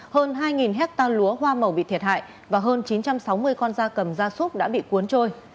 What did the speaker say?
hơn hai hectare lúa hoa màu bị thiệt hại và hơn chín trăm sáu mươi con da cầm da súc đã bị cuốn trôi